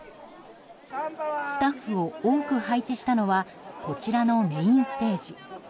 スタッフを多く配置したのはこちらのメインステージ。